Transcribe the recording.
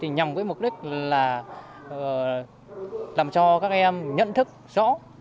nhằm với mục đích là làm cho các em nhận thức rõ